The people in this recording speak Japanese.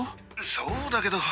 そうだけど。